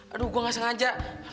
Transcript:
aduh gue nggak sengaja